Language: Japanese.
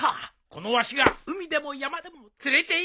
このわしが海でも山でも連れていくぞ！